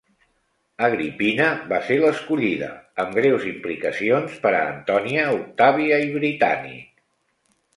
Agrippina va ser l'escollida, amb greus implicacions per a Antònia, Octàvia i Britànic.